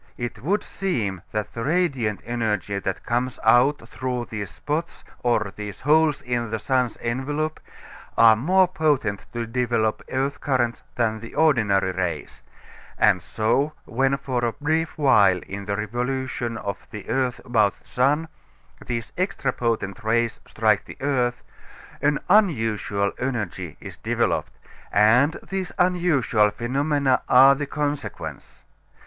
It would seem that the radiant energy that comes out through these spots or these holes in the sun's envelope, are more potent to develop earth currents than the ordinary rays; and so, when for a brief while in the revolution of the earth about the sun, these extra potent rays strike the earth, an unusual energy is developed, and these unusual phenomena are the consequence.